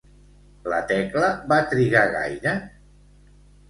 La Tecla va trigar gaire?